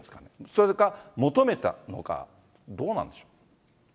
それか求めたのか、どうなんでしょう。